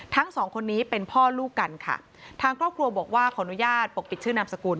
ทั้งสองคนนี้เป็นพ่อลูกกันค่ะทางครอบครัวบอกว่าขออนุญาตปกปิดชื่อนามสกุล